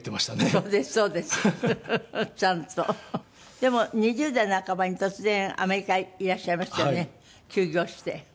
でも２０代半ばに突然アメリカへいらっしゃいましたよね休業して。